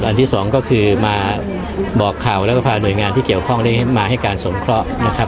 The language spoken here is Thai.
ที่สองก็คือมาบอกข่าวแล้วก็พาหน่วยงานที่เกี่ยวข้องได้มาให้การสงเคราะห์นะครับ